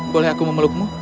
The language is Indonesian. boleh aku memelukmu